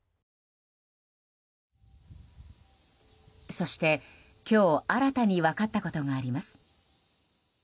そして、今日新たに分かったことがあります。